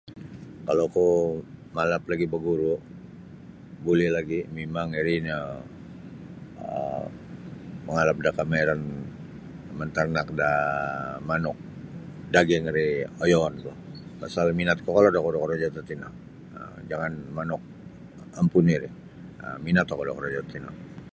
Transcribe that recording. Kalauku malap lagi' baguru' buli lagi' mimang iri nio um mangalap da kamahiran mantarnak daa manuk daging ri oyoonku pasal minat kokolod oku da korojo tatino um jangan manuk ampuni ri minat oku da korojo tino.